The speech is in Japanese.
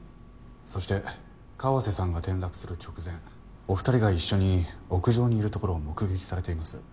そして川瀬さんが転落する直前お２人が一緒に屋上にいるところを目撃されています。